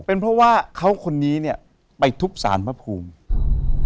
เป็นเพราะว่าเขาคนนี้เนี้ยไปทุบสารพระภูมิอืม